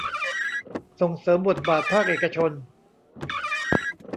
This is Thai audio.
ส่งเสริมบทบาทภาคเอกชน